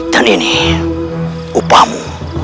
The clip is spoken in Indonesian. dan ini upahmu